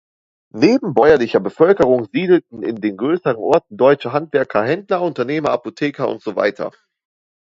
Neben bäuerlicher Bevölkerung siedelten in den größeren Orten deutsche Handwerker, Händler, Unternehmer, Apotheker usw.